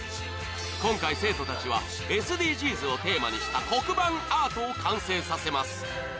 今回生徒たちは、ＳＤＧｓをテーマにした黒板アートを完成させます。